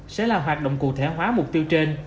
sẽ là hoạt động cụ thể hóa mục tiêu trên